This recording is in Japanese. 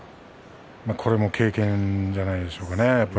これも経験じゃないでしょうかね。